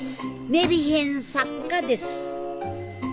メルヘン作家です。